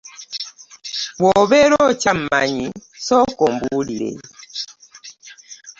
Bw'obeera okyammanyi sooka ombuulire.